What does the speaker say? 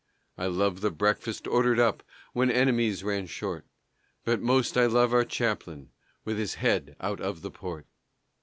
I love the breakfast ordered up When enemies ran short, But most I love our chaplain With his head out of the port.